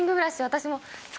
私も。